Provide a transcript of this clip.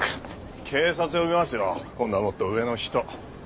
警察呼びますよ今度はもっと上の人。